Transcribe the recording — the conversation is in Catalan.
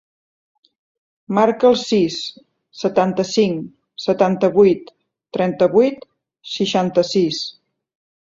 Marca el sis, setanta-cinc, setanta-vuit, trenta-vuit, seixanta-sis.